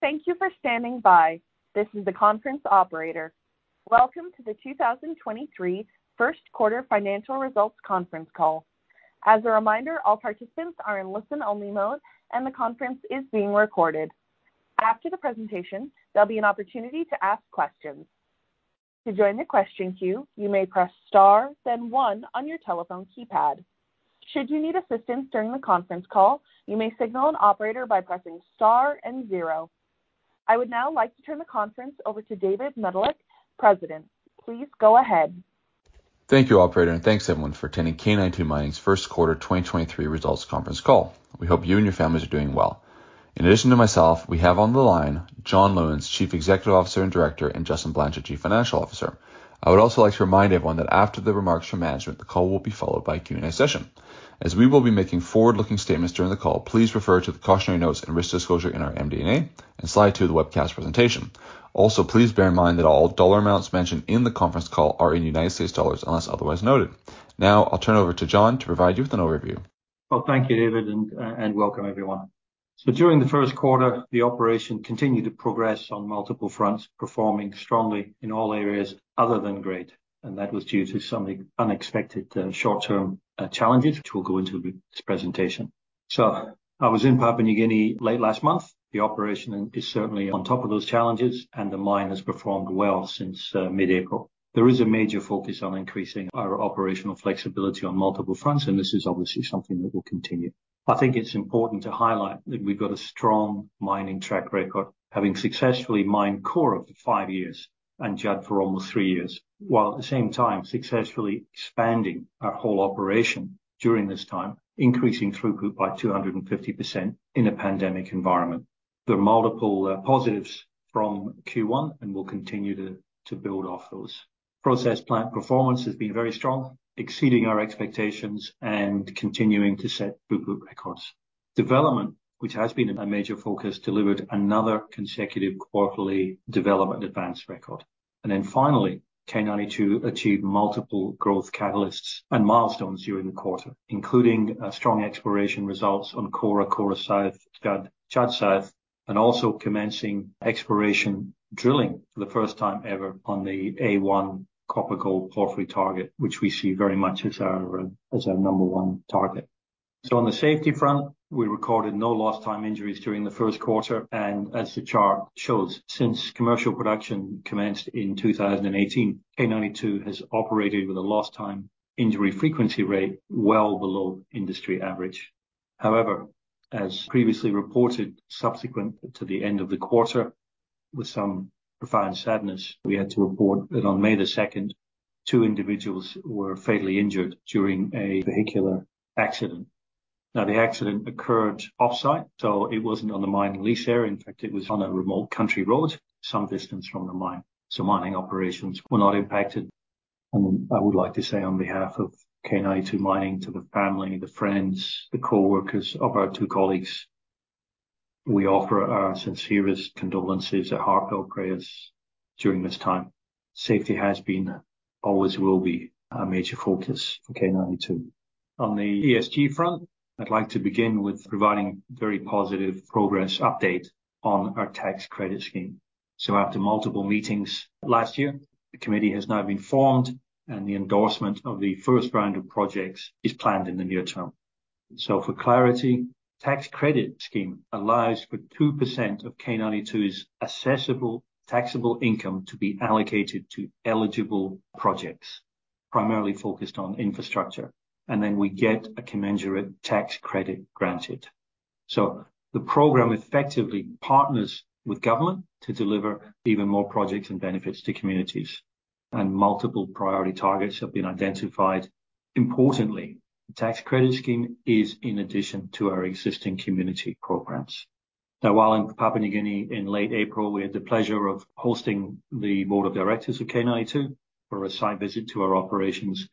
Thank you for standing by. This is the conference operator. Welcome to the 2023 Q1 financial results conference call. As a reminder, all participants are in listen-only mode, and the conference is being recorded. After the presentation, there'll be an opportunity to ask questions. To join the question queue, you may press star then one on your telephone keypad. Should you need assistance during the conference call, you may signal an operator by pressing star and zero. I would now like to turn the conference over to David Medilek, President. Please go ahead. Thank you, operator, and thanks everyone for attending K92 Mining's Q1 2023 results conference call. We hope you and your families are doing well. In addition to myself, we have on the line John Lewins, Chief Executive Officer and Director; and Justin Blanchet, Chief Financial Officer. I would also like to remind everyone that after the remarks from management, the call will be followed by a Q&A session. As we will be making forward-looking statements during the call, please refer to the cautionary notes and risk disclosure in our MD&A in slide two of the webcast presentation. Also, please bear in mind that all dollar amounts mentioned in the conference call are in United States dollars, unless otherwise noted. Now, I'll turn over to John to provide you with an overview. Well, thank you, David, and welcome everyone. During the Q1, the operation continued to progress on multiple fronts, performing strongly in all areas other than grade, and that was due to some unexpected short-term challenges, which we'll go into this presentation. I was in Papua New Guinea late last month. The operation is certainly on top of those challenges, and the mine has performed well since mid-April. There is a major focus on increasing our operational flexibility on multiple fronts, and this is obviously something that will continue. I think it's important to highlight that we've got a strong mining track record, having successfully mined Kora for five years and Judd for almost three years, while at the same time successfully expanding our whole operation during this time, increasing throughput by 250% in a pandemic environment. There are multiple positives from Q1, and we'll continue to build off those. Process plant performance has been very strong, exceeding our expectations and continuing to set throughput records. Development, which has been a major focus, delivered another consecutive quarterly development advance record. Finally, K92 achieved multiple growth catalysts and milestones during the quarter, including strong exploration results on Kora South, Judd South, and also commencing exploration drilling for the first time ever on the A1 copper-gold porphyry target, which we see very much as our number one target. On the safety front, we recorded no lost time injuries during the Q1. As the chart shows, since commercial production commenced in 2018, K92 has operated with a lost time injury frequency rate well below industry average. As previously reported subsequent to the end of the quarter, with some profound sadness, we had to report that on May, two individuals were fatally injured during a vehicular accident. The accident occurred off-site, so it wasn't on the mining lease area. In fact, it was on a remote country road some distance from the mine, so mining operations were not impacted. I would like to say on behalf of K92 Mining to the family, the friends, the coworkers of our two colleagues, we offer our sincerest condolences and heartfelt prayers during this time. Safety has been, always will be a major focus for K92. On the ESG front, I'd like to begin with providing very positive progress update on our Tax Credit Scheme. After multiple meetings last year, the committee has now been formed and the endorsement of the first round of projects is planned in the near term. For clarity, the Tax Credit Scheme allows for 2% of K92's assessable taxable income to be allocated to eligible projects, primarily focused on infrastructure, and then we get a commensurate tax credit granted. The program effectively partners with government to deliver even more projects and benefits to communities, and multiple priority targets have been identified. Importantly, the Tax Credit Scheme is in addition to our existing community programs. While in Papua New Guinea in late April, we had the pleasure of hosting the board of directors of K92 for a site visit to our operations,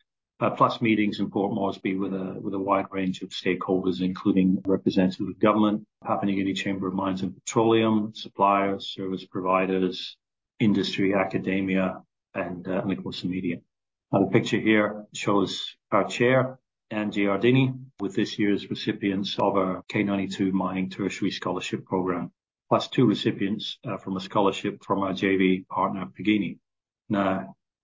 plus meetings in Port Moresby with a wide range of stakeholders, including representatives of government, Papua New Guinea Chamber of Mines and Petroleum, suppliers, service providers, industry, academia, and, of course, the media. The picture here shows our Chair, Andy Jardine, with this year's recipients of our K92 Mining Tertiary Scholarship Program, plus two recipients from a scholarship from our JV partner, PNG.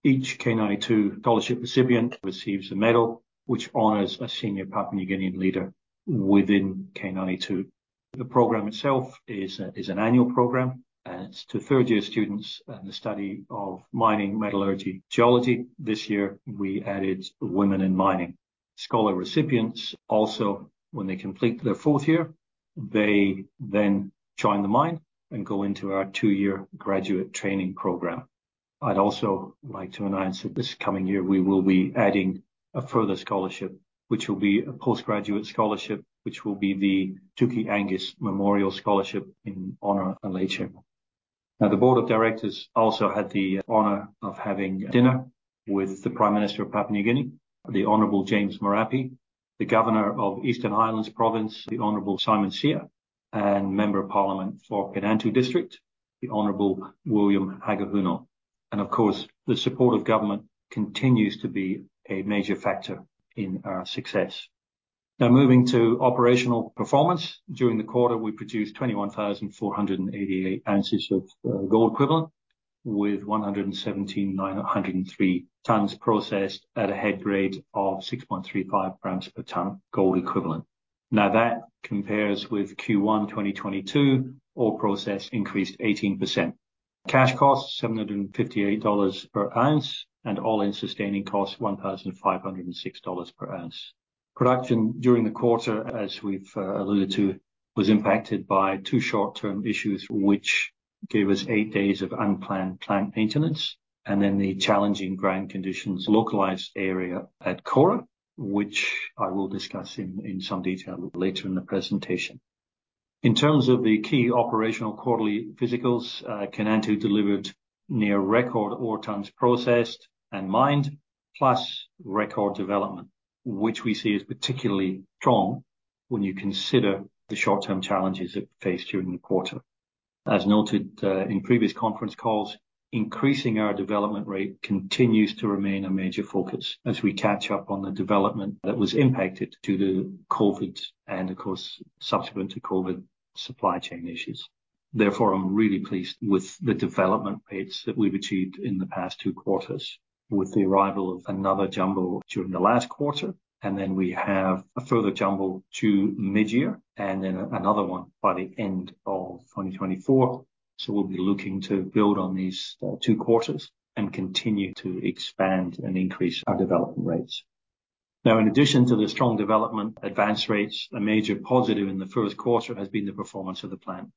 Each K92 scholarship recipient receives a medal which honors a senior Papua New Guinean leader within K92. The program itself is an annual program to third-year students in the study of mining, metallurgy, geology. This year, we added women in mining. Scholar recipients also when they complete their fourth year, they then join the mine and go into our two-year graduate training program. I'd also like to announce that this coming year we will be adding a further scholarship, which will be a postgraduate scholarship, which will be the Tookie Angus Memorial Scholarship in honor of a late chairman. The board of directors also had the honor of having dinner with the Prime Minister of Papua New Guinea, the Honorable James Marape, the Governor of Eastern Highlands Province, the Honorable Simon Sia, and Member of Parliament for Kainantu District, the Honorable William Hagahuno. Of course, the support of government continues to be a major factor in our success. Moving to operational performance. During the quarter, we produced 21,488 ounces of gold-equivalent with 117,903 tons processed at a head grade of 6.35 g per ton gold- equivalent. That compares with Q1 2022, ore processed increased 18%. Cash cost of $758 per ounce, and all-in sustaining costs $1,506 per ounce. Production during the quarter, as we've alluded to, was impacted by two short-term issues which gave us eight days of unplanned plant maintenance, and then the challenging ground conditions localized area at Kora, which I will discuss in some detail later in the presentation. In terms of the key operational quarterly physicals, Kainantu delivered near record ore tons processed and mined, plus record development, which we see as particularly strong when you consider the short-term challenges it faced during the quarter. As noted, in previous conference calls, increasing our development rate continues to remain a major focus as we catch up on the development that was impacted due to COVID and of course, subsequent to COVID, supply chain issues. I'm really pleased with the development rates that we've achieved in the past two quarters with the arrival of another jumbo during the last quarter, and then we have a further jumbo to mid-year and then another one by the end of 2024. We'll be looking to build on these two quarters and continue to expand and increase our development rates. In addition to the strong development advance rates, a major positive in the Q1 has been the performance of the plant.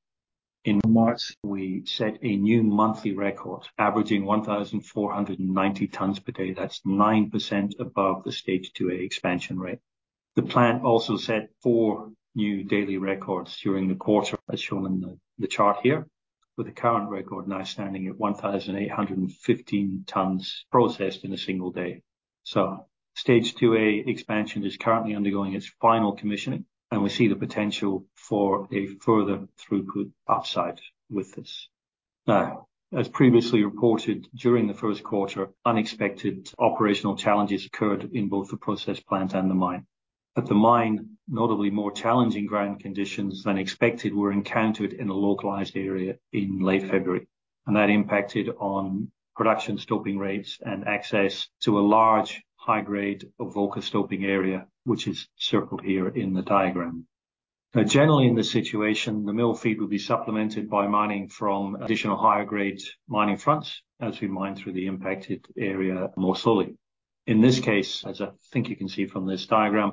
In March, we set a new monthly record, averaging 1,490 tons per day. That's 9% above the Stage 2A Expansion rate. The plant also set four new daily records during the quarter, as shown in the chart here, with the current record now standing at 1,815 tons processed in a single day. Stage 2A Expansion is currently undergoing its final commissioning, and we see the potential for a further throughput upside with this. As previously reported during the Q1, unexpected operational challenges occurred in both the process plant and the mine. At the mine, notably more challenging ground conditions than expected were encountered in a localized area in late February, that impacted on production stopping rates and access to a large high grade Avoca stoping area, which is circled here in the diagram. Generally in this situation, the mill feed will be supplemented by mining from additional higher grade mining fronts as we mine through the impacted area more slowly. In this case, as I think you can see from this diagram,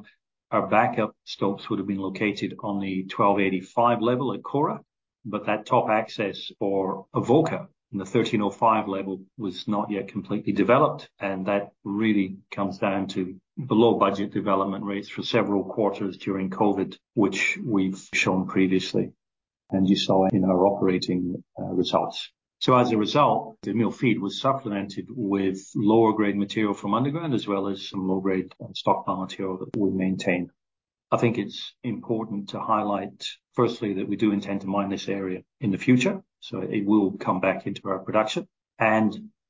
our backup stops would have been located on the 1285 level at Kora, that top access for Avoca in the 1305 level was not yet completely developed, that really comes down to below budget development rates for several quarters during COVID, which we've shown previously and you saw in our operating results. As a result, the mill feed was supplemented with lower grade material from underground, as well as some low-grade stockpile material that we maintain. I think it's important to highlight, firstly, that we do intend to mine this area in the future, so it will come back into our production.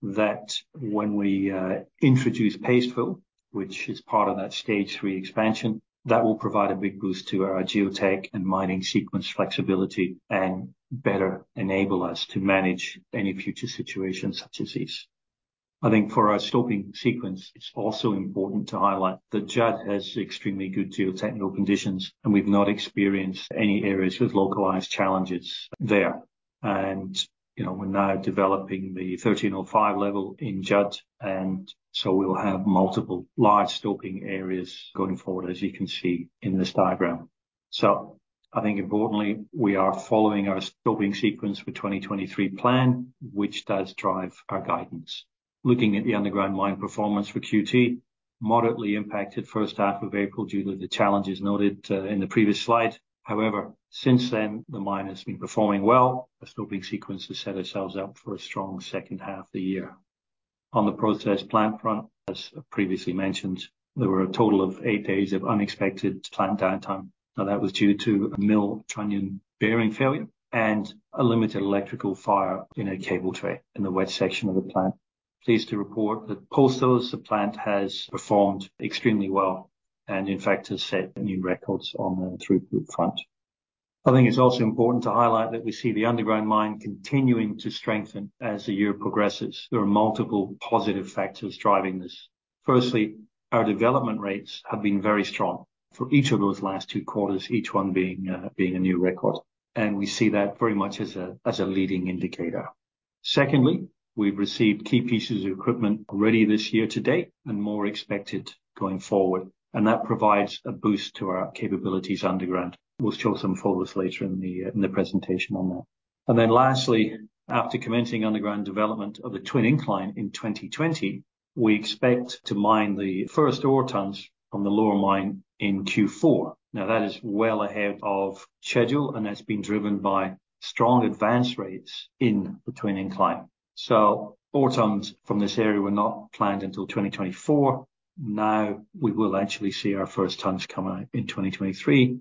That when we introduce paste fill, which is part of that Stage 3 Expansion, that will provide a big boost to our geotech and mining sequence flexibility and better enable us to manage any future situations such as this. I think for our stoping sequence, it's also important to highlight that Judd has extremely good geotechnical conditions, and we've not experienced any areas with localized challenges there. You know, we're now developing the 1305 level in Judd, and so we'll have multiple large stoping areas going forward, as you can see in this diagram. I think importantly, we are following our stoping sequence for 2023 plan, which does drive our guidance. Looking at the underground mine performance for Q1, moderately impacted first half of April due to the challenges noted in the previous slide. However, since then, the mine has been performing well. The stoping sequence has set ourselves up for a strong second half of the year. On the process plant front, as previously mentioned, there were a total of eight days of unexpected plant downtime. Now, that was due to a mill trunnion bearing failure and a limited electrical fire in a cable tray in the wet section of the plant. Pleased to report that post those, the plant has performed extremely well and in fact has set new records on the throughput front. I think it's also important to highlight that we see the underground mine continuing to strengthen as the year progresses. There are multiple positive factors driving this. Firstly, our development rates have been very strong for each of those last two quarters, each one being a new record, and we see that very much as a leading indicator. Secondly, we've received key pieces of equipment already this year to date and more expected going forward, and that provides a boost to our capabilities underground. We'll show some photos later in the presentation on that. Lastly, after commencing underground development of the twin incline in 2020, we expect to mine the first ore tons from the lower mine in Q4. That is well ahead of schedule, and that's been driven by strong advance rates in the twin incline. Ore tons from this area were not planned until 2024. Now, we will actually see our first tons come out in 2023.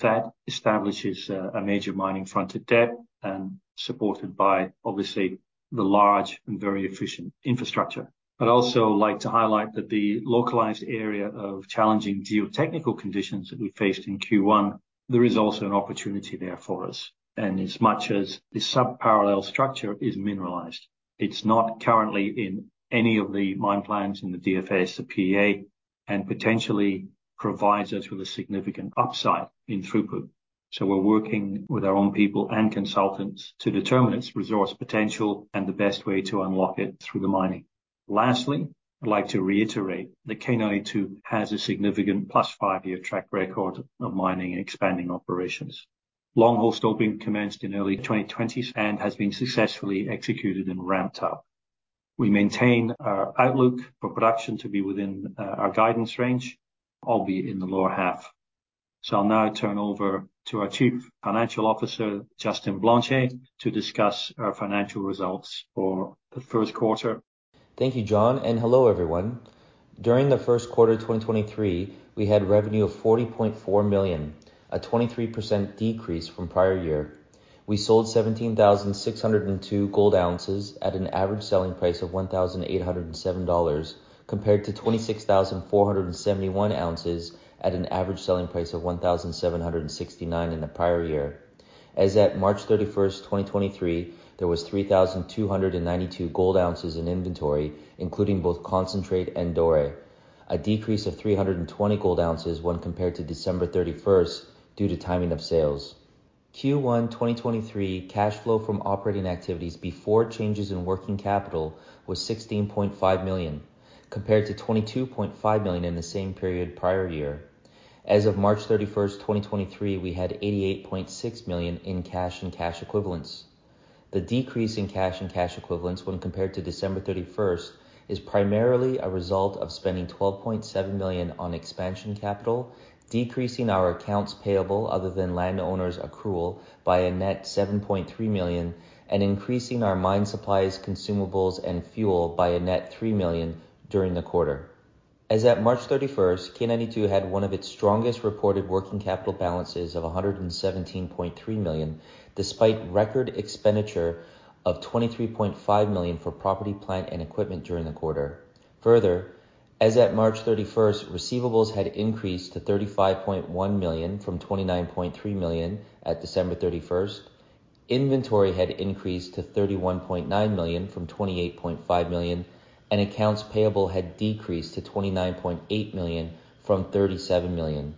That establishes a major mining front at depth and supported by obviously the large and very efficient infrastructure. I'd also like to highlight that the localized area of challenging geotechnical conditions that we faced in Q1, there is also an opportunity there for us. As much as this sub-parallel structure is mineralized, it's not currently in any of the mine plans in the DFS or PEA. Potentially provides us with a significant upside in throughput. We're working with our own people and consultants to determine its resource potential and the best way to unlock it through the mining. Lastly, I'd like to reiterate that K92 has a significant plus five-year track record of mining and expanding operations. Long hole stoping commenced in early 2020 and has been successfully executed and ramped up. We maintain our outlook for production to be within our guidance range, albeit in the lower half. I'll now turn over to our Chief Financial Officer, Justin Blanchet, to discuss our financial results for the Q1. Thank you, John, and hello, everyone. During the Q1 of 2023, we had revenue of $40.4 million, a 23% decrease from prior year. We sold 17,602 gold ounces at an average selling price of $1,807, compared to 26,471 ounces at an average selling price of $1,769 in the prior year. As at March 31st, 2023, there was 3,292 gold ounces in inventory, including both concentrate and doré. A decrease of 320 gold ounces when compared to December 31st due to timing of sales. Q1, 2023 cash flow from operating activities before changes in working capital was $16.5 million, compared to $22.5 million in the same period prior year. As of March 31, 2023, we had $88.6 million in cash and cash equivalents. The decrease in cash and cash equivalents when compared to December 31 is primarily a result of spending $12.7 million on expansion capital, decreasing our accounts payable other than landowners' accrual by a net $7.3 million, and increasing our mine supplies, consumables, and fuel by a net $3 million during the quarter. As at March 31, K92 had one of its strongest reported working capital balances of $117.3 million, despite record expenditure of $23.5 million for property, plant, and equipment during the quarter. Further, as at March 31, receivables had increased to $35.1 million from $29.3 million at December 31. Inventory had increased to $31.9 million from $28.5 million, and accounts payable had decreased to $29.8 million from $37 million.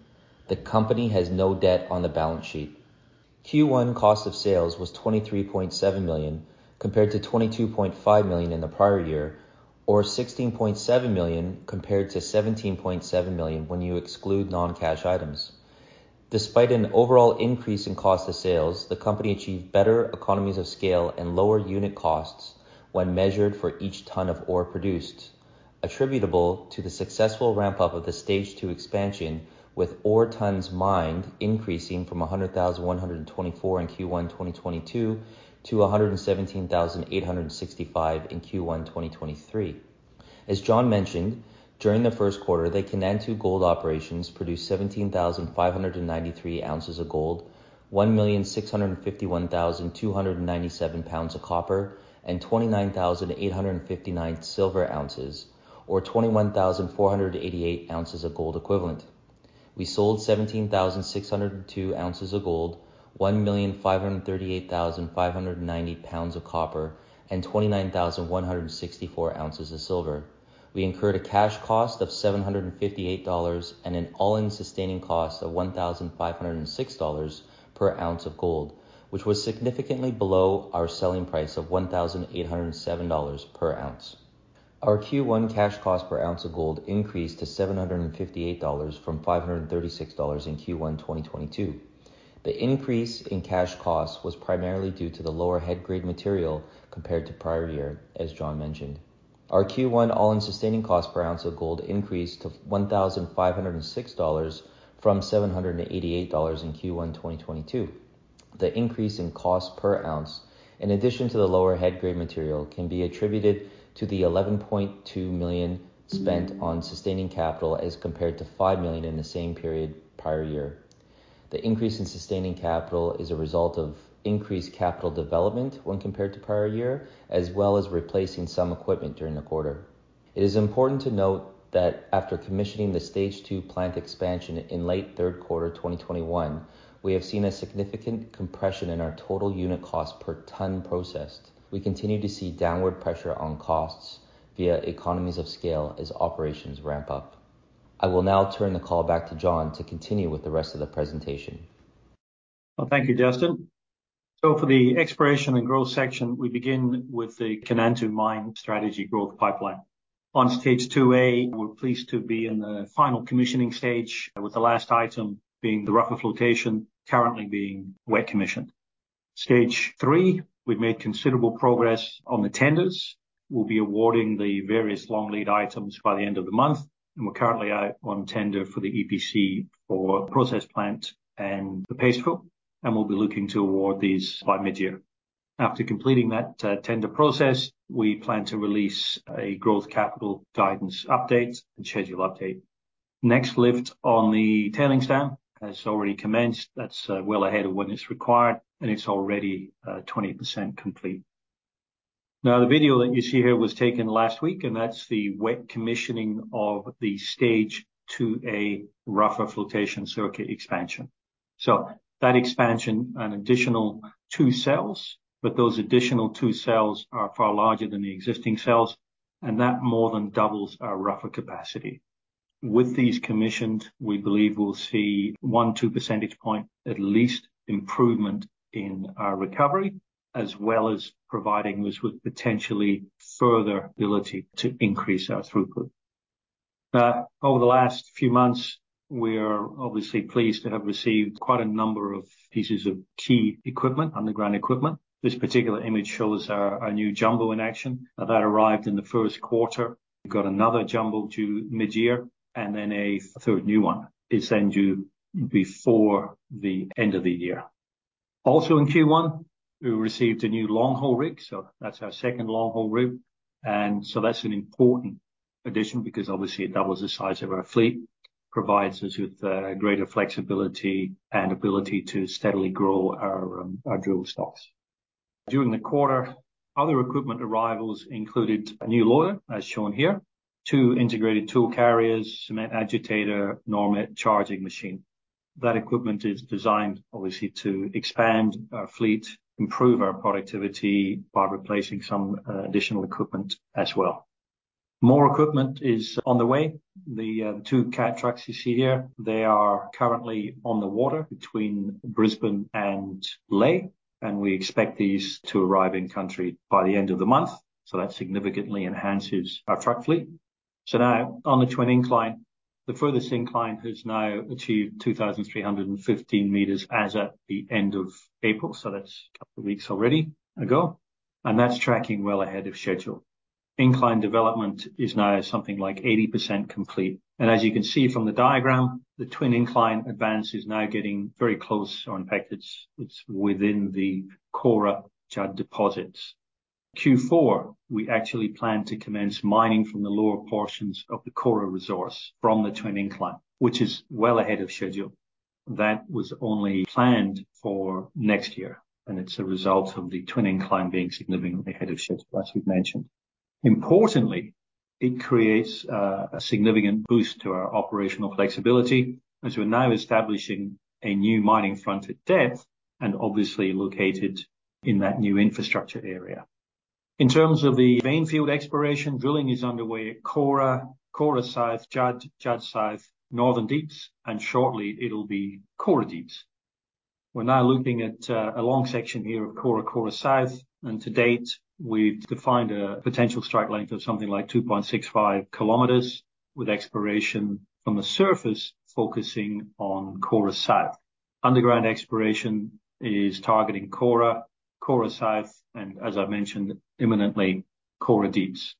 The company has no debt on the balance sheet. Q1 cost of sales was $23.7 million, compared to $22.5 million in the prior year, or $16.7 million compared to $17.7 million when you exclude non-cash items. Despite an overall increase in cost of sales, the company achieved better economies of scale and lower unit costs when measured for each ton of ore produced, attributable to the successful ramp up of the Stage 2 Expansion, with ore tons mined increasing from 100,124 in Q1 2022 to 117,865 in Q1 2023. As John mentioned, during the Q1, the Kainantu gold operations produced 17,593 ounces of gold, 1,651,297 pounds of copper, and 29,859 silver ounces, or 21,488 ounces of gold-equivalent. We sold 17,602 ounces of gold, 1,538,590 pounds of copper, and 29,164 ounces of silver. We incurred a cash cost of $758 and an all-in sustaining cost of $1,506 per ounce of gold, which was significantly below our selling price of $1,807 per ounce. Our Q1 cash cost per ounce of gold increased to $758 from $536 in Q1, 2022. The increase in cash cost was primarily due to the lower head grade material compared to prior year, as John Lewins mentioned. Our Q1 all-in sustaining cost per ounce of gold increased to $1,506 from $788 in Q1, 2022. The increase in cost per ounce, in addition to the lower head grade material, can be attributed to the $11.2 million spent on sustaining capital as compared to $5 million in the same period prior year. The increase in sustaining capital is a result of increased capital development when compared to prior year, as well as replacing some equipment during the quarter. It is important to note that after commissioning the Stage 2 Plant Expansion in late Q3, 2021, we have seen a significant compression in our total unit cost per ton processed. We continue to see downward pressure on costs via economies of scale as operations ramp up. I will now turn the call back to John to continue with the rest of the presentation. Thank you, Justin. For the exploration and growth section, we begin with the Kainantu Gold Mine strategy growth pipeline. On Stage 2A, we're pleased to be in the final commissioning stage with the last item being the rougher flotation currently being wet commissioned. Stage 3, we've made considerable progress on the tenders. We'll be awarding the various long lead items by the end of the month, and we're currently out on tender for the EPC for process plant and the paste fill, and we'll be looking to award these by mid-year. After completing that tender process, we plan to release a growth capital guidance update and schedule update. Next lift on the tailings dam has already commenced. That's well ahead of when it's required, and it's already 20% complete. The video that you see here was taken last week, and that's the wet commissioning of the Stage 2A rougher flotation circuit expansion. That expansion, an additional two cells, but those additional two cells are far larger than the existing cells, and that more than doubles our rougher capacity. With these commissioned, we believe we'll see 1-2 percentage point at least improvement in our recovery, as well as providing us with potentially further ability to increase our throughput. Over the last few months, we are obviously pleased to have received quite a number of pieces of key equipment, underground equipment. This particular image shows our new jumbo in action. That arrived in the Q1. We've got another jumbo due mid-year, and then a third new one is then due before the end of the year. In Q1, we received a new longhole rig. That's our second longhole rig. That's an important addition because obviously it doubles the size of our fleet, provides us with greater flexibility and ability to steadily grow our drill stocks. During the quarter, other equipment arrivals included a new loader, as shown here, two integrated tool carriers, cement agitator, Normet charging machine. That equipment is designed, obviously, to expand our fleet, improve our productivity by replacing some additional equipment as well. More equipment is on the way. The two Cat trucks you see here, they are currently on the water between Brisbane and Lae, and we expect these to arrive in country by the end of the month. That significantly enhances our truck fleet. Now on the twin incline, the furthest incline has now achieved 2,315 m as at the end of April, so that's a couple weeks already ago, and that's tracking well ahead of schedule. Incline development is now something like 80% complete. As you can see from the diagram, the twin incline advance is now getting very close, or in fact, it's within the Kora-Judd deposits. Q4, we actually plan to commence mining from the lower portions of the Kora resource from the twin incline, which is well ahead of schedule. That was only planned for next year, and it's a result of the twin incline being significantly ahead of schedule, as we've mentioned. Importantly, it creates a significant boost to our operational flexibility as we're now establishing a new mining front at depth and obviously located in that new infrastructure area. In terms of the vein field exploration, drilling is underway at Kora South, Judd South, Northern Deeps, and shortly it'll be Kora Deeps. We're now looking at a long section here of Kora South. To date, we've defined a potential strike length of something like 2.65 km, with exploration from the surface focusing on Kora South. Underground exploration is targeting Kora South, and as I mentioned, imminently, Kora Deeps.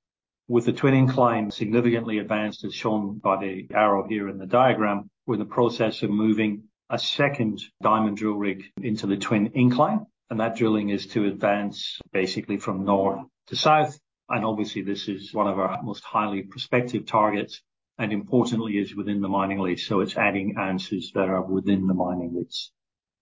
With the twin incline significantly advanced, as shown by the arrow here in the diagram, we're in the process of moving a second diamond drill rig into the twin incline, and that drilling is to advance basically from north to south. Obviously, this is one of our most highly prospective targets, and importantly, is within the mining lease, so it's adding ounces that are within the mining lease.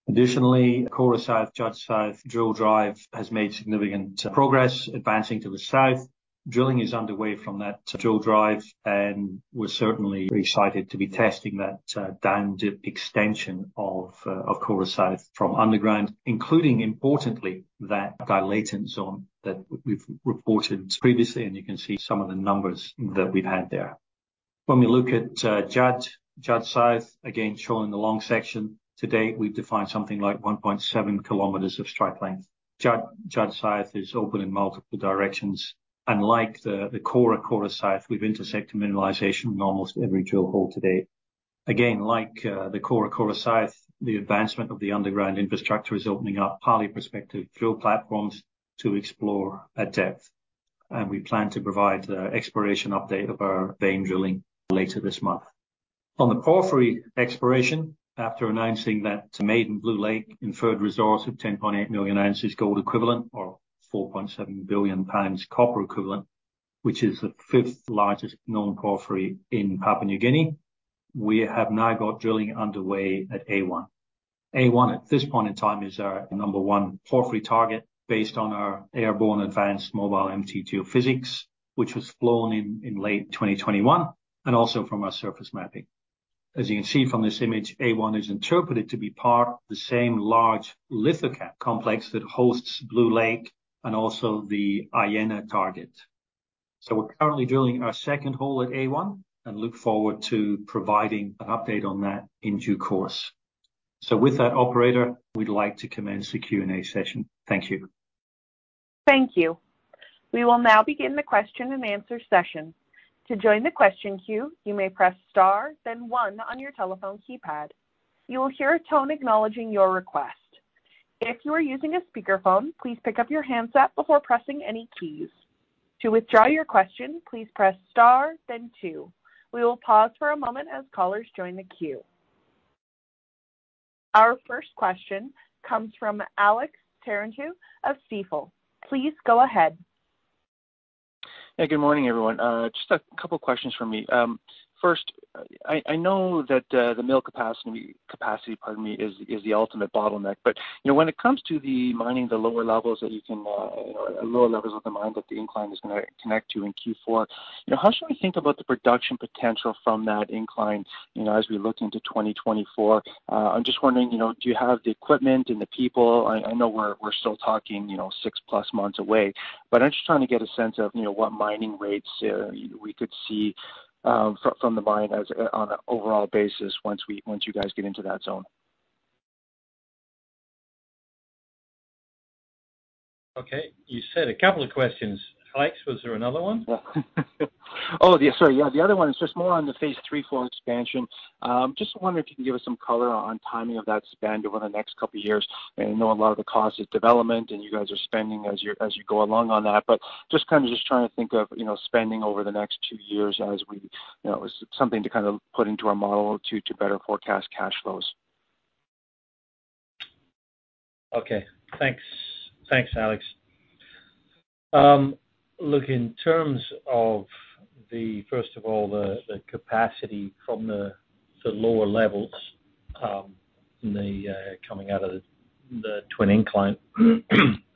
Additionally, Kora South, Judd South drill drive has made significant progress advancing to the south. Drilling is underway from that drill drive, and we're certainly pretty excited to be testing that down dip extension of Kora South from underground, including importantly, that Dilatant Zone that we've reported previously, and you can see some of the numbers that we've had there. When we look at Judd South, again, shown in the long section. To date, we've defined something like 1.7 km of strike length. Judd South is open in multiple directions. Unlike the Kora South, we've intersected mineralization in almost every drill hole to date. Again, like, the Kora South, the advancement of the underground infrastructure is opening up highly prospective drill platforms to explore at depth. We plan to provide the exploration update of our vein drilling later this month. On the porphyry exploration, after announcing that the maiden Blue Lake inferred resource of 10.8 million ounces gold-equivalent or 4.7 billion pounds copper equivalent, which is the fifth-largest known porphyry in Papua New Guinea, we have now got drilling underway at A-1. A-1 at this point in time is our number one porphyry target based on our airborne advanced mobile MT geophysics, which was flown in late 2021, and also from our surface mapping. As you can see from this image, A-1 is interpreted to be part of the same large lithocap complex that hosts Blue Lake and also the Arie target. We're currently drilling our second hole at A-1 and look forward to providing an update on that in due course. With that, operator, we'd like to commence the Q&A session. Thank you. Thank you. We will now begin the question and answer session. To join the question queue, you may press star then one on your telephone keypad. You will hear a tone acknowledging your request. If you are using a speakerphone, please pick up your handset before pressing any keys. To withdraw your question, please press star then two. We will pause for a moment as callers join the queue. Our first question comes from Alex Terentiew of Stifel. Please go ahead. Yeah. Good morning, everyone. Just two questions from me. First, I know that the mill capacity, pardon me, is the ultimate bottleneck, you know, when it comes to the mining the lower levels that you can lower levels of the mine that the incline is gonna connect to in Q4, you know, how should we think about the production potential from that incline, you know, as we look into 2024? I'm just wondering, you know, do you have the equipment and the people? I know we're still talking, you know, six-plus months away, I'm just trying to get a sense of, you know, what mining rates we could see from the mine as, on an overall basis once you guys get into that zone. Okay. You said a couple of questions, Alex. Was there another one? Oh, yeah, sorry. Yeah, the other one is just more on the Stage 3 Expansion. Just wondering if you can give us some color on timing of that spend over the next couple of years. I know a lot of the cost is development, and you guys are spending as you go along on that. Just trying to think of, you know, spending over the next two years as we, you know, something to kind of put into our model to better forecast cash flows. Thanks. Thanks, Alex. In terms of the, first of all, the capacity from the lower levels, in the coming out of the twin incline.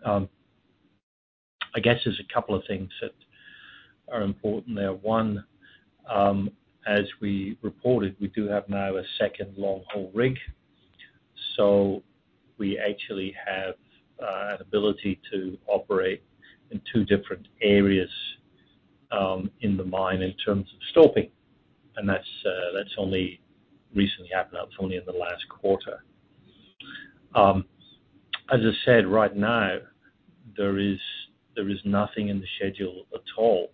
I guess there's a couple of things that are important there. One, as we reported, we do have now a second long-hole rig. We actually have an ability to operate in two different areas in the mine in terms of stoping, and that's only recently happened. That's only in the last quarter. As I said, right now, there is nothing in the schedule at all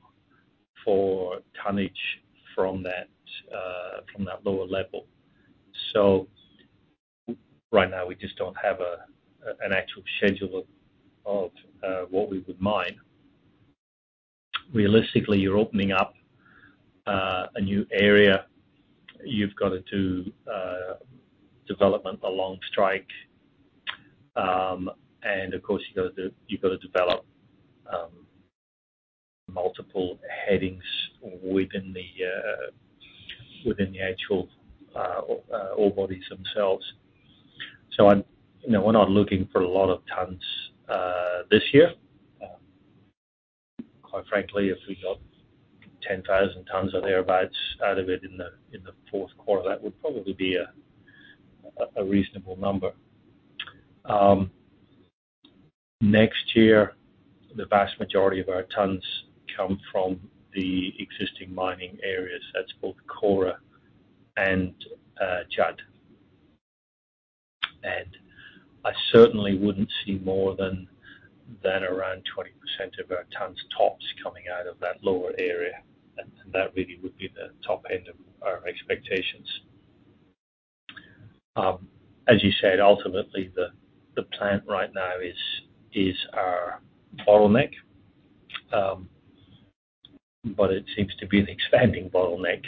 for tonnage from that from that lower level. Right now, we just don't have an actual schedule of what we would mine. Realistically, you're opening up a new area. You've got to do development along strike. Of course, you've got to, you've got to develop multiple headings within the within the actual ore bodies themselves. I'm, you know, we're not looking for a lot of tons this year. Quite frankly, if we got 10,000 tons or thereabouts out of it in the Q4, that would probably be a reasonable number. Next year, the vast majority of our tons come from the existing mining areas. That's both Kora and Judd. I certainly wouldn't see more than around 20% of our tons tops coming out of that lower area. That really would be the top end of our expectations. As you said, ultimately, the plant right now is our bottleneck. It seems to be an expanding bottleneck.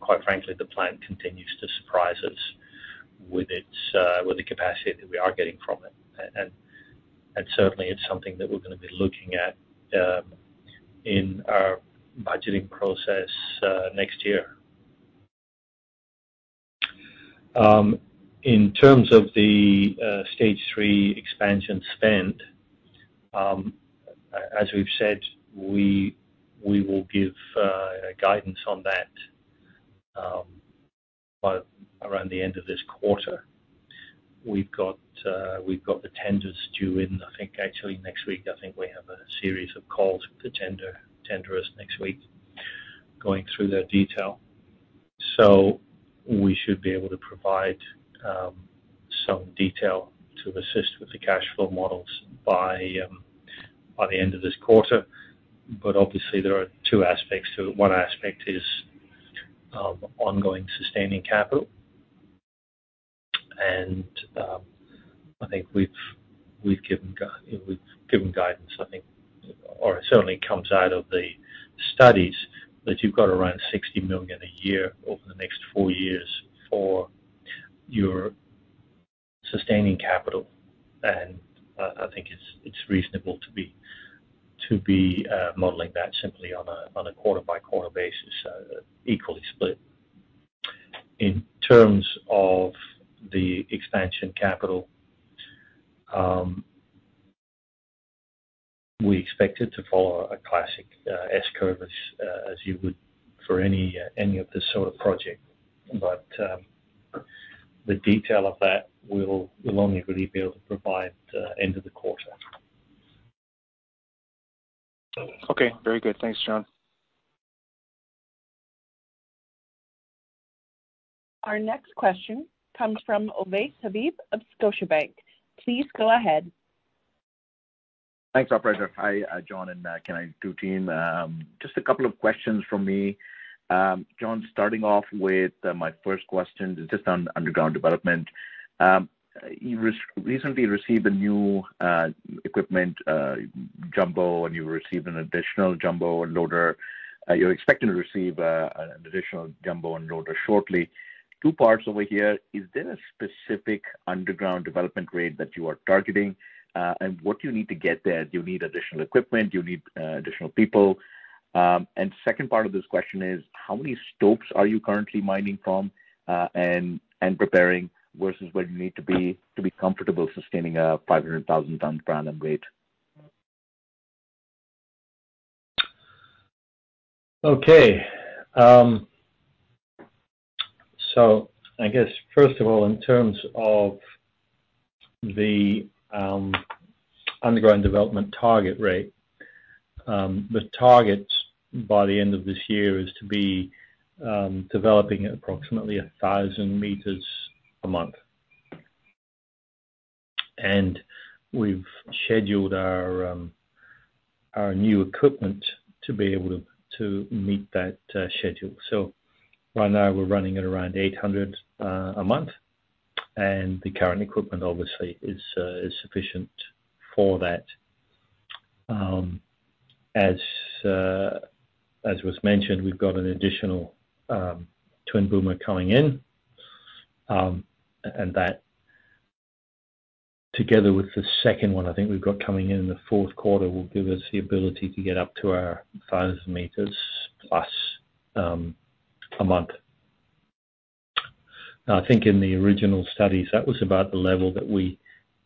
Quite frankly, the plant continues to surprise us with its capacity that we are getting from it. Certainly it's something that we're gonna be looking at in our budgeting process next year. In terms of the Stage 3 Expansion spend, as we've said, we will give guidance on that by around the end of this quarter. We've got the tenders due in, I think actually next week. I think we have a series of calls with the tenderers next week, going through their detail. We should be able to provide some detail to assist with the cash flow models by the end of this quarter. Obviously, there are two aspects to it. One aspect is ongoing sustaining capital. I think we've given guidance, I think, or it certainly comes out of the studies that you've got around $60 million a year over the next four years for your sustaining capital. I think it's reasonable to be modeling that simply on a quarter-by-quarter basis, equally split. In terms of the expansion capital, we expect it to follow a classic S curve as you would for any of this sort of project. The detail of that we'll only really be able to provide end of the quarter. Okay. Very good. Thanks, John. Our next question comes from Ovais Habib of Scotiabank. Please go ahead. Thanks, operator. Hi, John, and Kinross team. Just a couple of questions from me. John, starting off with my first question, just on underground development. You recently received a new equipment, jumbo, and you received an additional jumbo and loader. You're expecting to receive an additional jumbo and loader shortly. Two parts over here. Is there a specific underground development rate that you are targeting? And what do you need to get there? Do you need additional equipment? Do you need additional people? Second part of this question is, how many stopes are you currently mining from and preparing versus where you need to be to be comfortable sustaining a 500,000 ton run rate? Okay. I guess first of all, in terms of the underground development target rate, the target by the end of this year is to be developing at approximately 1,000 m a month. We've scheduled our new equipment to be able to meet that schedule. Right now we're running at around 800 a month, and the current equipment obviously is sufficient for that. As was mentioned, we've got an additional twin boomer coming in, and that together with the second one I think we've got coming in the Q4, will give us the ability to get up to our 1,000 m plus a month. I think in the original studies, that was about the level that we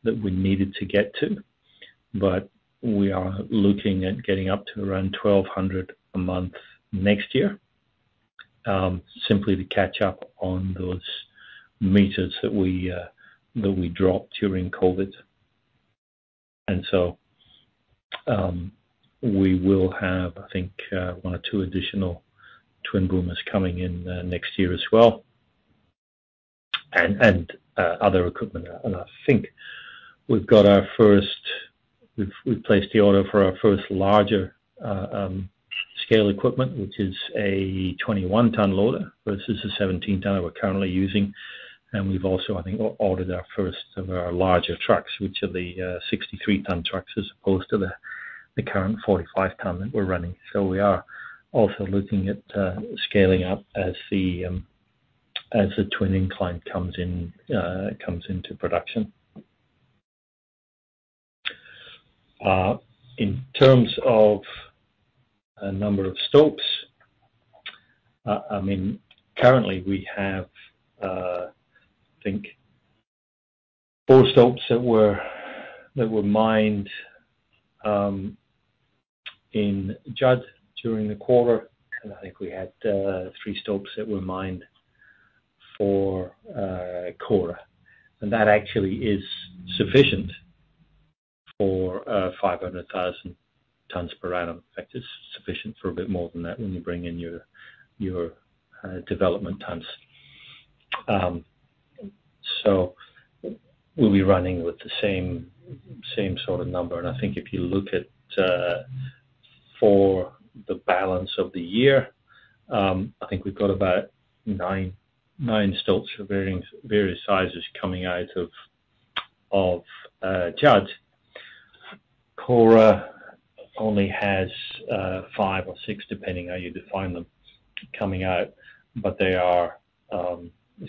needed to get to. We are looking at getting up to around 1,200 a month next year, simply to catch up on those meters that we dropped during COVID. We will have, I think, one or two additional twin boomers coming in next year as well, and other equipment. We've placed the order for our first larger scale equipment, which is a 21 ton loader versus the 17 ton that we're currently using. We've also, I think, ordered our first of our larger trucks, which are the 63 ton trucks as opposed to the current 45 ton that we're running. We are also looking at scaling up as the twin incline comes in comes into production. In terms of a number of stopes, I mean, currently we have, I think four stopes that were mined in Judd during the quarter. I think we had three stopes that were mined for Kora. That actually is sufficient for 500,000 tons per annum. In fact, it's sufficient for a bit more than that when you bring in your development tons. We'll be running with the same sort of number. I think if you look at for the balance of the year, I think we've got about nine stopes of various sizes coming out of Judd. Kora only has five or six, depending how you define them, coming out. They are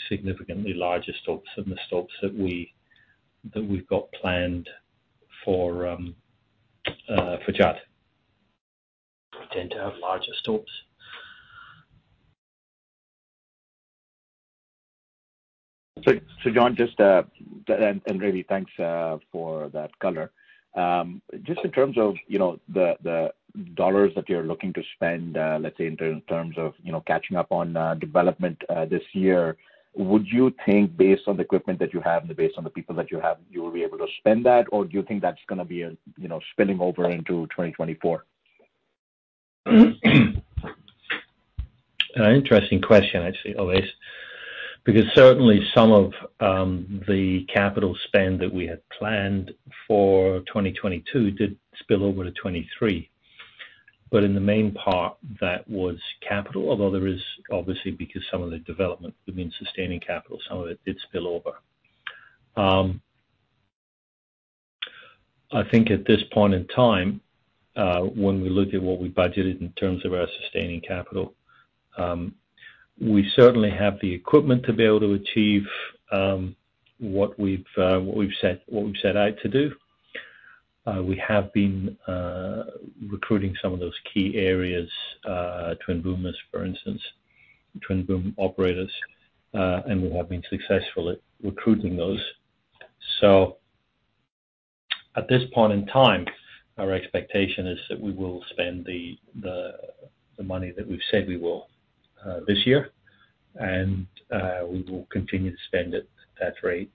significantly larger stopes than the stopes that we've got planned for Judd. We tend to have larger stopes. John, just, and really thanks for that color. Just in terms of, you know, the dollars that you're looking to spend, let's say in terms of, you know, catching up on development this year. Would you think based on the equipment that you have and based on the people that you have, you will be able to spend that? Or do you think that's gonna be, you know, spilling over into 2024? An interesting question actually, Ovais. Certainly some of the capital spend that we had planned for 2022 did spill over to 2023. In the main part, that was capital. Although there is obviously, because some of the development would mean sustaining capital, some of it did spill over. I think at this point in time, when we look at what we budgeted in terms of our sustaining capital, we certainly have the equipment to be able to achieve what we've set out to do. We have been recruiting some of those key areas, twin boomers, for instance, twin boom operators, and we have been successful at recruiting those. At this point in time, our expectation is that we will spend the money that we've said we will this year. We will continue to spend at that rate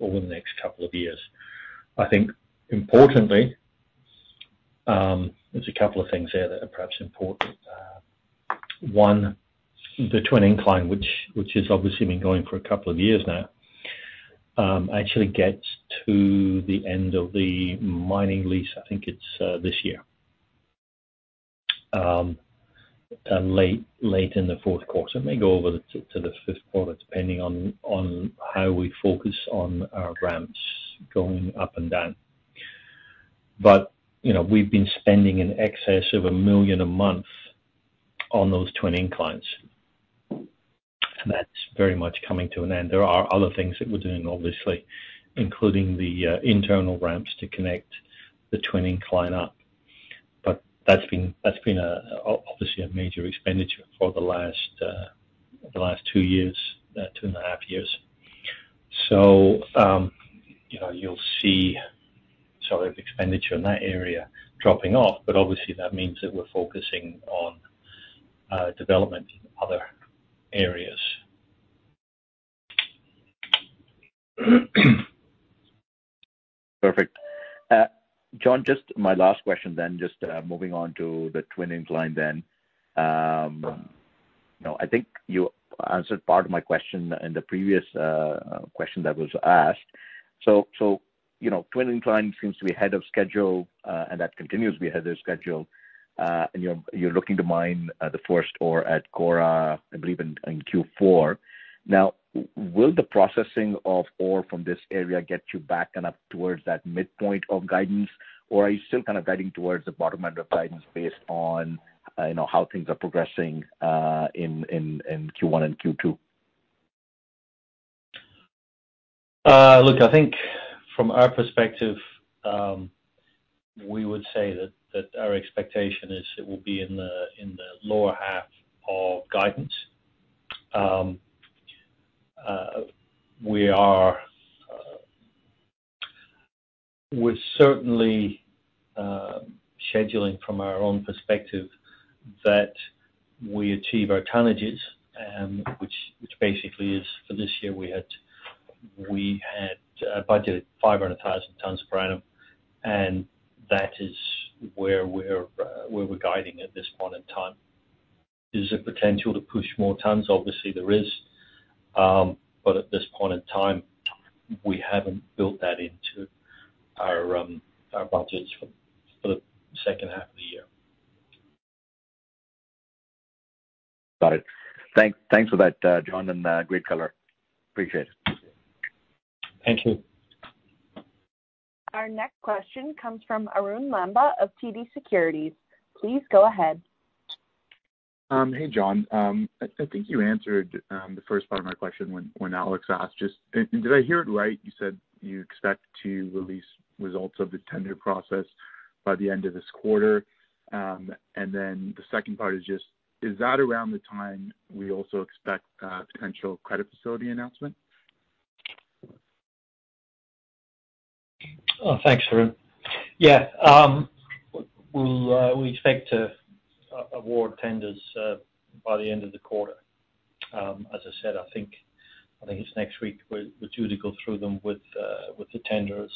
over the next couple of years. I think importantly, there's a couple of things there that are perhaps important. One, the twin incline, which has obviously been going for a couple of years now, actually gets to the end of the mining lease, I think it's this year. Late in the Q4. It may go over to the Q1, depending on how we focus on our ramps going up and down. You know, we've been spending in excess of $1 million a month on those twin inclines. That's very much coming to an end. There are other things that we're doing, obviously, including the internal ramps to connect the twinning incline up. That's been a, obviously a major expenditure for the last, the last two years, 2.5 years. You know, you'll see sort of expenditure in that area dropping off, but obviously that means that we're focusing on development in other areas. Perfect. John, just my last question then, just, moving on to the twin incline then. You know, I think you answered part of my question in the previous, question that was asked. You know, twin incline seems to be ahead of schedule, and that continues to be ahead of schedule. You're looking to mine, the first ore at Kora, I believe, in, Q4. Will the processing of ore from this area get you back and up towards that midpoint of guidance? Or are you still kind of guiding towards the bottom end of guidance based on, you know, how things are progressing, in Q1 and Q2? Look, I think from our perspective, we would say that our expectation is it will be in the lower half of guidance. We're certainly scheduling from our own perspective that we achieve our tonnages, which basically is for this year, we budgeted 500,000 tons per annum, and that is where we're guiding at this point in time. Is there potential to push more tons? Obviously, there is. At this point in time, we haven't built that into our budgets for the second half of the year. Got it. Thanks for that, John, and great color. Appreciate it. Thank you. Our next question comes from Arun Lamba of TD Securities. Please go ahead. Hey, John. I think you answered the first part of my question when Alex asked. Just, did I hear it right? You said you expect to release results of the tender process by the end of this quarter. The second part is just, is that around the time we also expect a potential credit facility announcement? Thanks, Arun. Yeah. We'll, we expect to award tenders by the end of the quarter. As I said, I think, I think it's next week we're due to go through them with the tenders.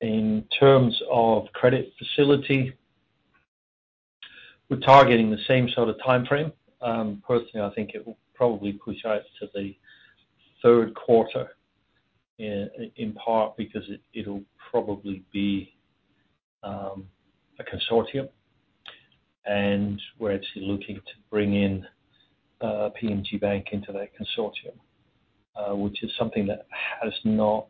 In terms of credit facility, we're targeting the same sort of timeframe. Personally, I think it will probably push out to the Q3 in part because it'll probably be a consortium. We're actually looking to bring in PNG Bank into that consortium, which is something that has not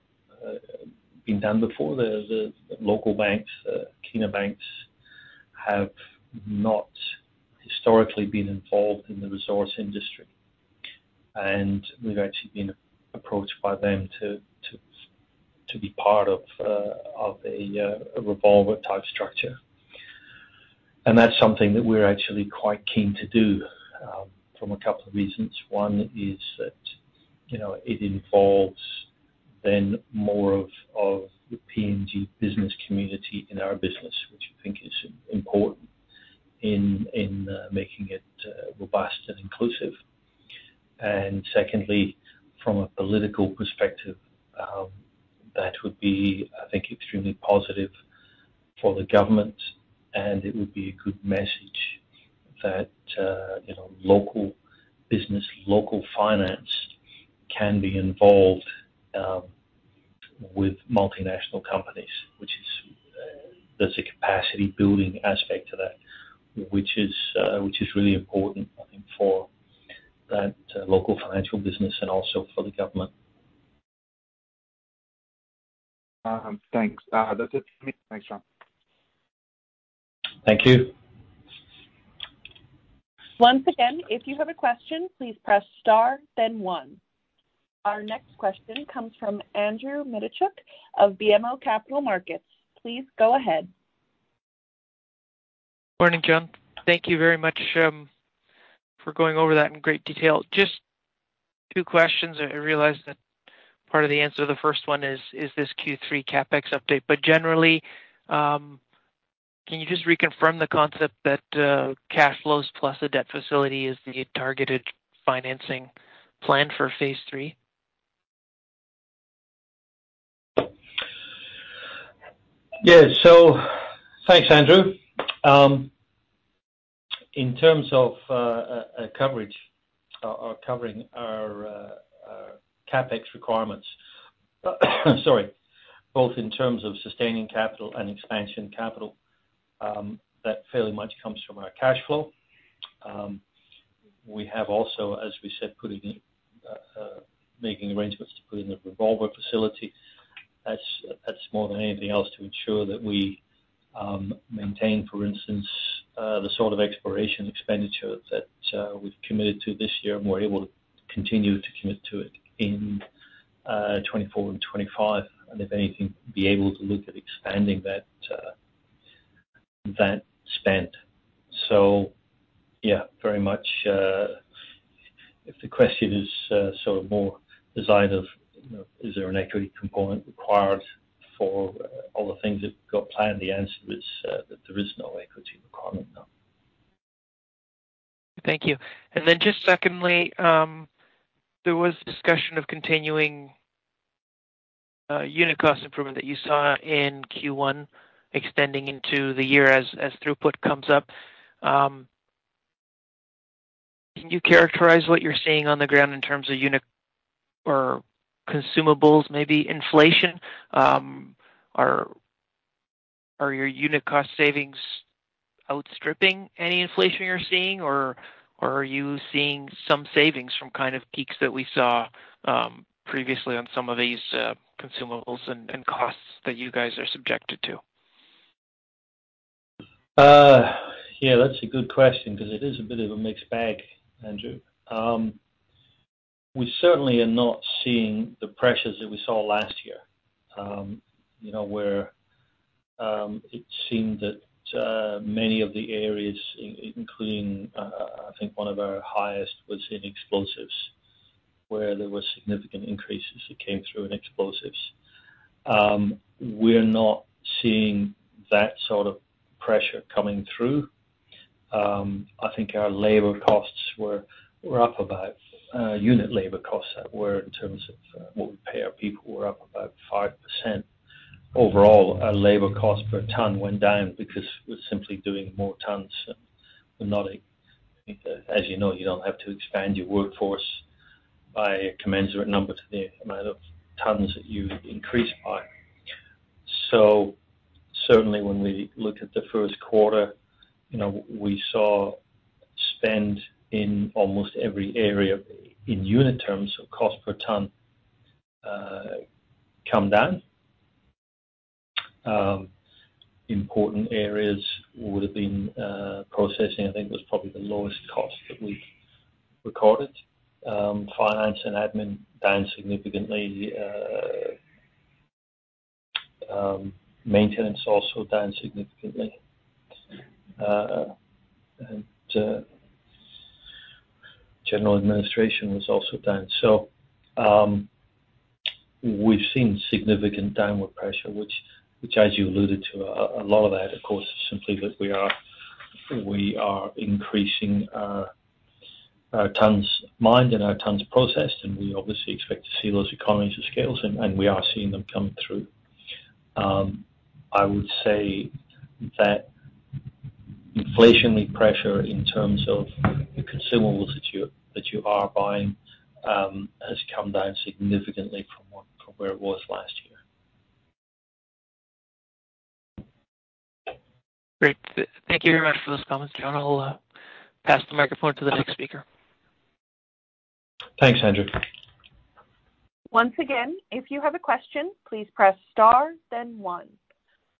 been done before. The local banks, Kina Bank, have not historically been involved in the resource industry. We've actually been approached by them to be part of a revolver-type structure. That's something that we're actually quite keen to do from a couple of reasons. One is that, you know, it involves then more of the PNG business community in our business, which I think is important in making it robust and inclusive. Secondly, from a political perspective, that would be, I think, extremely positive for the government, and it would be a good message that, you know, local business, local finance can be involved with multinational companies, which is, there's a capacity building aspect to that, which is really important, I think, for that local financial business and also for the government. Thanks. That's it for me. Thanks, John. Thank you. Once again, if you have a question, please press star then one. Our next question comes from Andrew Mikitchook of BMO Capital Markets. Please go ahead. Morning, John. Thank you very much, for going over that in great detail. Just two questions. I realize that part of the answer to the first one is this Q3 CapEx update. Generally, can you just reconfirm the concept that cash flows plus a debt facility is the targeted financing plan for phase three? Yeah. Thanks, Andrew. In terms of covering our CapEx requirements, sorry, both in terms of sustaining capital and expansion capital, that fairly much comes from our cash flow. We have also, as we said, putting making arrangements to put in the revolver facility. That's more than anything else to ensure that we maintain, for instance, the sort of exploration expenditure that we've committed to this year, and we're able to continue to commit to it in 2024 and 2025. If anything, be able to look at expanding that spend. Yeah, very much, if the question is sort of more design of, you know, is there an equity component required for all the things that got planned? The answer is, that there is no equity requirement, no. Thank you. Just secondly, there was discussion of continuing unit cost improvement that you saw in Q1 extending into the year as throughput comes up. Can you characterize what you're seeing on the ground in terms of unit or consumables, maybe inflation? Are your unit cost savings outstripping any inflation you're seeing, or are you seeing some savings from kind of peaks that we saw previously on some of these consumables and costs that you guys are subjected to? Yeah, that's a good question because it is a bit of a mixed bag, Andrew Mikitchook. We certainly are not seeing the pressures that we saw last year. You know, where it seemed that many of the areas, including, I think one of our highest was in explosives, where there was significant increases that came through in explosives. We're not seeing that sort of pressure coming through. I think our labor costs were up about unit labor costs that were in terms of what we pay our people were up about 5%. Overall, our labor cost per ton went down because we're simply doing more tons. We're not, as you know, you don't have to expand your workforce by a commensurate number to the amount of tons that you increase by. Certainly when we look at the Q1, you know, we saw spend in almost every area in unit terms of cost per ton come down. Important areas would have been processing, I think, was probably the lowest cost that we recorded. Finance and admin down significantly. Maintenance also down significantly. General administration was also down. We've seen significant downward pressure, which as you alluded to, a lot of that, of course, is simply that we are increasing our tons mined and our tons processed, and we obviously expect to see those economies of scales, and we are seeing them come through. I would say that inflationary pressure in terms of the consumables that you are buying, has come down significantly from where it was last year. Great. Thank you very much for those comments, John. I'll pass the microphone to the next speaker. Thanks, Andrew. Once again, if you have a question, please press star then one.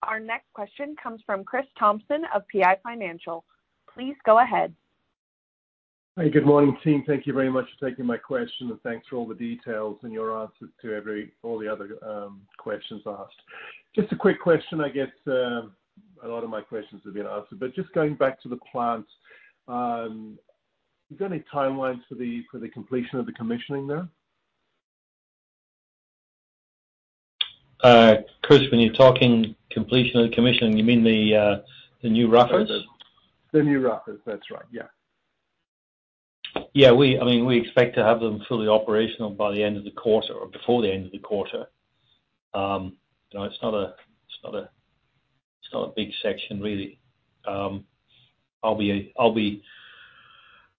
Our next question comes from Chris Thompson of PI Financial. Please go ahead. Hi, good morning, team. Thank you very much for taking my question, and thanks for all the details and your answers to all the other questions asked. Just a quick question, I guess, a lot of my questions have been answered, but just going back to the plant. Have you got any timelines for the, for the completion of the commissioning there? Chris, when you're talking completion of the commissioning, you mean the new roughers? The new roughers. That's right. Yeah. Yeah, we, I mean, we expect to have them fully operational by the end of the quarter or before the end of the quarter. You know, it's not a big section really. I'll be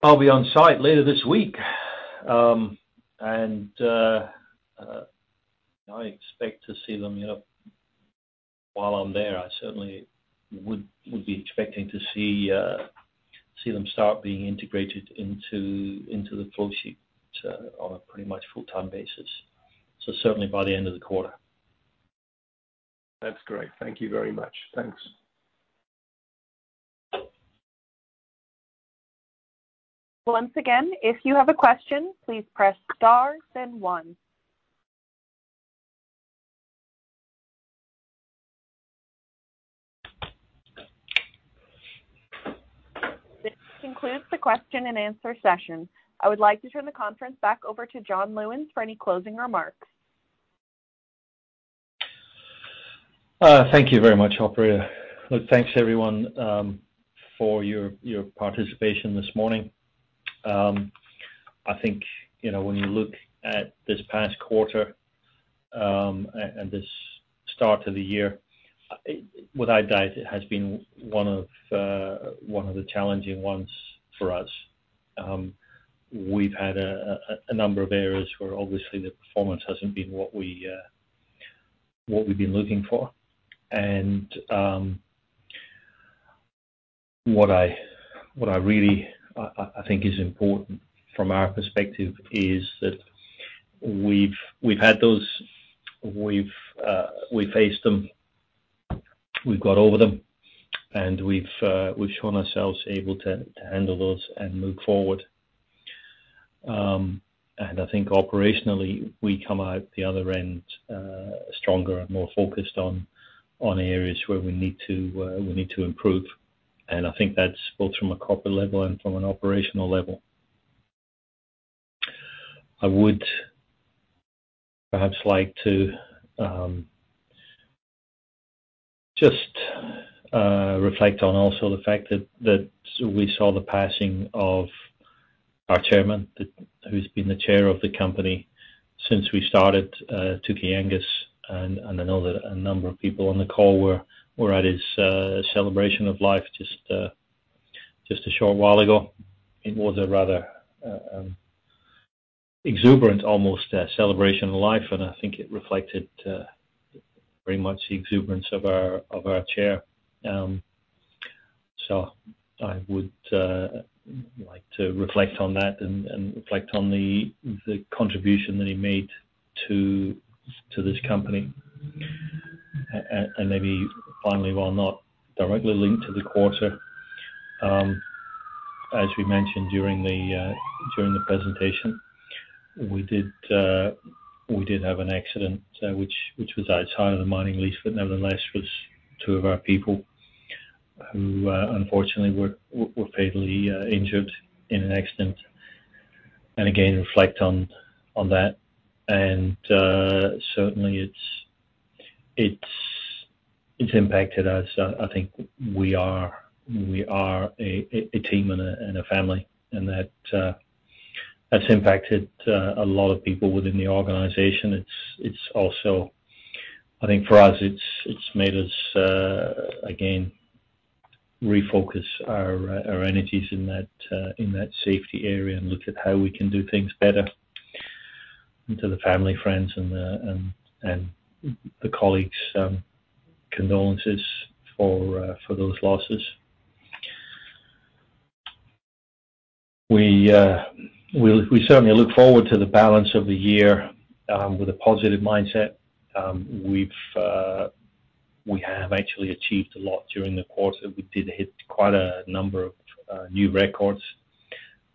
on site later this week. I expect to see them, you know, while I'm there, I certainly would be expecting to see them start being integrated into the flow sheet on a pretty much full-time basis. Certainly by the end of the quarter. That's great. Thank you very much. Thanks. Once again, if you have a question, please press star then one. This concludes the question and answer session. I would like to turn the conference back over to John Lewins for any closing remarks. Thank you very much, operator. Look, thanks everyone, for your participation this morning. I think, you know, when you look at this past quarter, and this start to the year, without doubt it has been one of the challenging ones for us. We've had a number of areas where obviously the performance hasn't been what we've been looking for. What I really think is important from our perspective is that we've had those. We've faced them, we've got over them, and we've shown ourselves able to handle those and move forward. I think operationally, we come out the other end, stronger and more focused on areas where we need to improve. I think that's both from a corporate level and from an operational level. I would perhaps like to just reflect on also the fact that we saw the passing of our Chairman, who's been the chair of the company since we started, Tookie Angus, and I know that a number of people on the call were at his celebration of life just a short while ago. It was a rather exuberant almost celebration of life. I think it reflected very much the exuberance of our chair. I would like to reflect on that and reflect on the contribution that he made to this company. maybe finally, while not directly linked to the quarter, as we mentioned during the presentation, we did have an accident, which was outside of the mining lease, but nevertheless was two of our people who, unfortunately, were fatally injured in an accident. again, reflect on that. certainly it's impacted us. I think we are a team and a family, and that's impacted a lot of people within the organization. It's also I think for us, it's made us, again, refocus our energies in that safety area and look at how we can do things better. to the family, friends, and the colleagues, condolences for those losses. We certainly look forward to the balance of the year, with a positive mindset. We have actually achieved a lot during the quarter. We did hit quite a number of new records.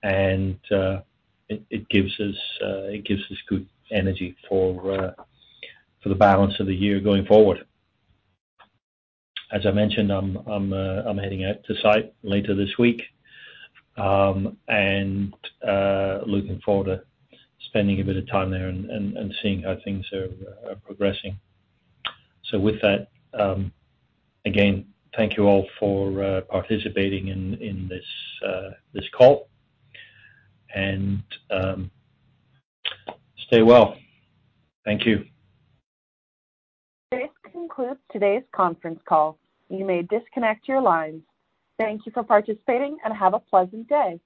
It gives us good energy for the balance of the year going forward. As I mentioned, I'm heading out to site later this week, and looking forward to spending a bit of time there and seeing how things are progressing. With that, again, thank you all for participating in this call. Stay well. Thank you. This concludes today's conference call. You may disconnect your lines. Thank you for participating, and have a pleasant day.